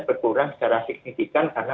berkurang secara signifikan karena